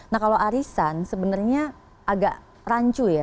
nah kalau arisan sebenarnya agak rancu ya